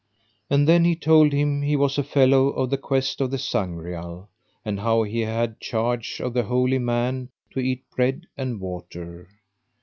And then he told him he was a fellow of the quest of the Sangreal, and how he had charge of the holy man to eat bread and water.